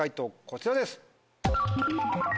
こちらです。